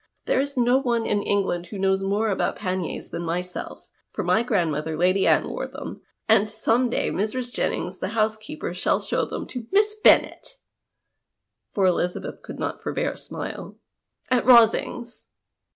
There is no one in England who knows more about paniers than myself, for my grandmother. Lady Anne, wore them, and some day Mrs. Jennings, the housekeeper, shall show tium to Miss Bennet," for Elizabeth coiild not forbear a smile, " at Rosings."